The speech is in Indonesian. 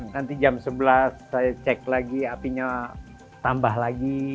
nanti jam sebelas saya cek lagi apinya tambah lagi